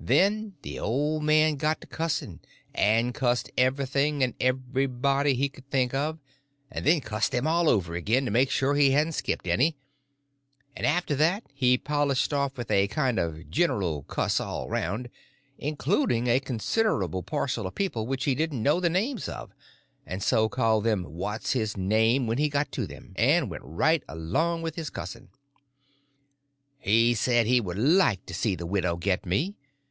Then the old man got to cussing, and cussed everything and everybody he could think of, and then cussed them all over again to make sure he hadn't skipped any, and after that he polished off with a kind of a general cuss all round, including a considerable parcel of people which he didn't know the names of, and so called them what's his name when he got to them, and went right along with his cussing. He said he would like to see the widow get me.